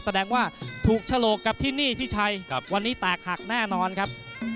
แสดงว่าถูกฉลกกับที่นี่พี่ชัยวันนี้แตกหักแน่นอนครับ